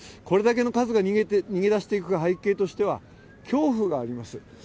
これだけの数が逃げ出していく背景としては恐怖があります。